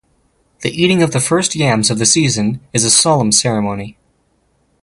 The eating of the first yams of the season is a solemn ceremony.